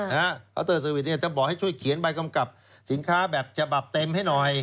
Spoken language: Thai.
เอาเตอร์เซอร์วิสเนี่ยจะบอกให้ช่วยเขียนใบกำกับสินค้าแบบฉบับเต็มให้หน่อย